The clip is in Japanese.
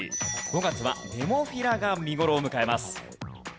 ５月はネモフィラが見頃を迎えます。